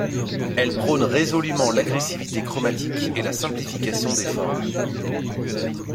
Elle prône résolument l'agressivité chromatique et la simplification des formes.